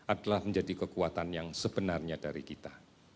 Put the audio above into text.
adalah menjadi kekuatan yang sebenarnya dari kita